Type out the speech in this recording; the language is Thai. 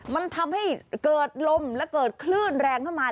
มันทำให้เกิดลมและเกิดคลื่นแรงเข้ามา